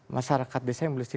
masyarakat desa yang belasan